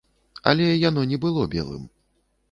Але яно не было белым.